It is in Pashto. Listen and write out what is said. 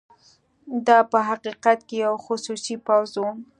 دا په حقیقت کې یو خصوصي پوځ وو.